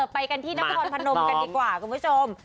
ไปกันที่นครพนมกันดีกว่าคุณผู้ชม